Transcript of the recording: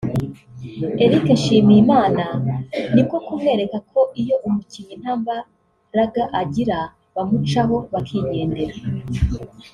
Eric Nshimiyimana ni ko kumwereka ko iyo umukinnyi nta mbaraga agira bamucaho bakigendera